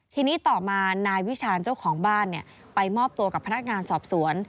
ทีนี้ต่อมานายวิชาญเจ้าของบ้านไปมอบตัวกับพนักงานสอบสวน